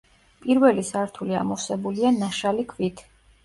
პირველი სართული ამოვსებულია ნაშალი ქვით.